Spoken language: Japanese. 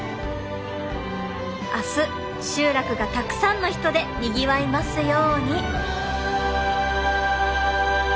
明日集落がたくさんの人でにぎわいますように。